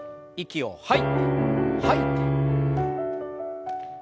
息を吐いて吐いて。